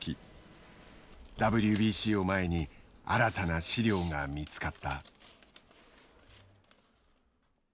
ＷＢＣを前に新たな資料が見つかった。